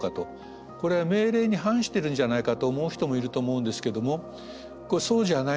これは命令に反してるんじゃないかと思う人もいると思うんですけどもそうじゃないんですね。